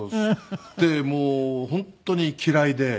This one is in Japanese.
でもう本当に嫌いで。